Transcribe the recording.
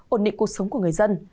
ổn định cuộc sống của người dân